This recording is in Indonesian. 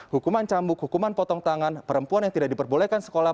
hukuman cambuk hukuman potong tangan perempuan yang tidak diperbolehkan sekolah